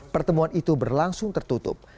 pertemuan itu berlangsung tertutup